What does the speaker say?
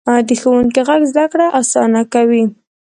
د ښوونکي غږ زده کړه اسانه کوي.